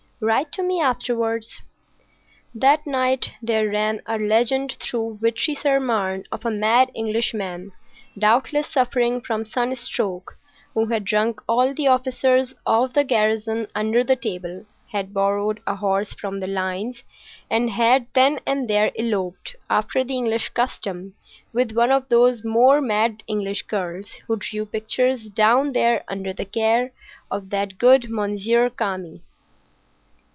"Write to me afterwards." That night there ran a legend through Vitry sur Marne of a mad Englishman, doubtless suffering from sunstroke, who had drunk all the officers of the garrison under the table, had borrowed a horse from the lines, and had then and there eloped, after the English custom, with one of those more mad English girls who drew pictures down there under the care of that good Monsieur Kami.